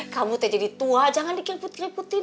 kamu teh jadi tua jangan dikeriput keriputin